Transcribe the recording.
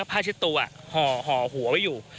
ผ้าเช็ดตัวห่อหัวไว้อยู่